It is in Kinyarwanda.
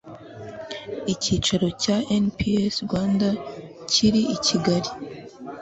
Ikicaro cya NPC Rwanda kiri i Kigali